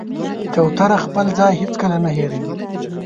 کوتره خپل ځای هېڅکله نه هېروي.